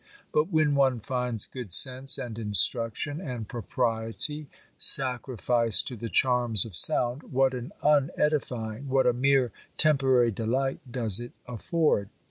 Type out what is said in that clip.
But when one finds good sense, and instruction, and propriety, sacrificed to the charms of sound, what an unedifying, what a mere temporary delight does it afford!